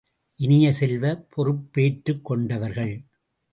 இனிய செல்வ, பொறுப்பேற்றுக் கொண்டவர்கள்.